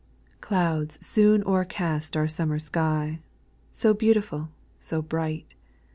8. Clouds soon overcast our summer sky, So beautiful, so bright.